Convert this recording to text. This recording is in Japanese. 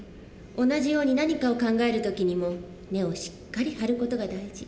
同じように何かを考える時にも根をしっかり張る事が大事。